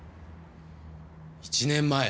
１年前。